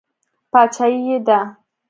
باچایي یې ده.